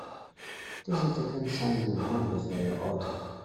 This is the consignment number for your order.